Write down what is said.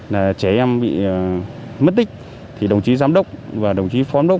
trẻ em bị mất tích đồng chí giám đốc và đồng chí phó đốc